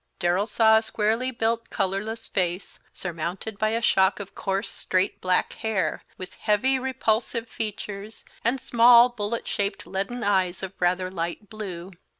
Darrell saw a squarely built, colorless face, surmounted by a shock of coarse, straight black hair, with heavy, repulsive features, and small, bullet shaped, leaden eyes of rather light blue.